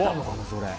それ。